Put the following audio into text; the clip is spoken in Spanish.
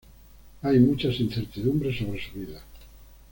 Hay muchas incertidumbres sobre su vida.